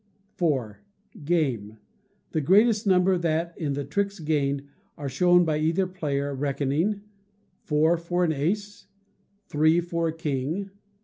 iv. Game. The greatest number that, in the tricks gained, are shown by either player, reckoning: Four for an ace. Three for a king.